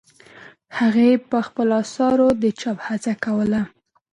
هغې په خپلو اثارو د چاپ هڅه کوله.